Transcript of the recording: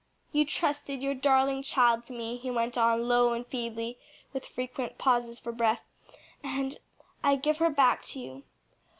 "You trusted your darling child to me," he went on low and feebly and with frequent pauses for breath, "and I give her back to you.